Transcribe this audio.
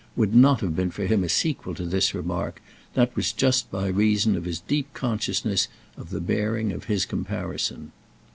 _" would not have been for him a sequel to this remark, that was just by reason of his deep consciousness of the bearing of his comparison.